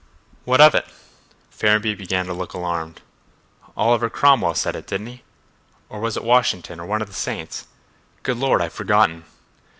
'" "What of it?" Ferrenby began to look alarmed. "Oliver Cromwell said it, didn't he? or was it Washington, or one of the saints? Good Lord, I've forgotten."